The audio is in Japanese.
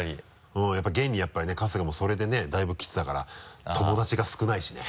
うん現にやっぱりね春日もそれでねだいぶきてたから友達が少ないしね。